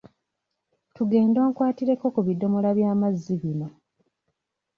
Tugende onkwatireko ku biddomola by'amazzi bino